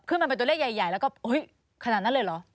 มันเป็นตัวเลขใหญ่แล้วก็ขนาดนั้นเลยเหรอ